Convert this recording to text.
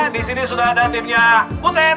disini sudah ada timnya putet